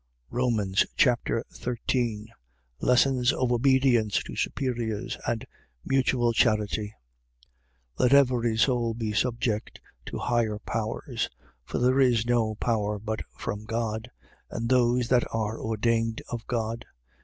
Romans Chapter 13 Lessons of obedience to superiors and mutual charity. 13:1. Let every soul be subject to higher powers. For there is no power but from God: and those that are ordained of God.